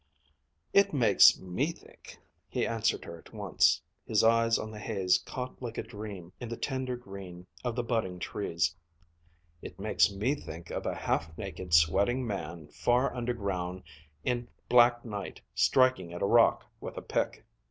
"It makes me think," he answered her at once, his eyes on the haze caught like a dream in the tender green of the budding trees, "it makes me think of a half naked, sweating man, far underground in black night, striking at a rock with a pick."